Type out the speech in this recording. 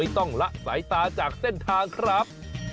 ต้องละสายตาจากเส้นทางครับ